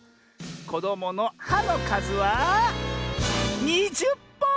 こどもの「は」のかずは２０ぽん！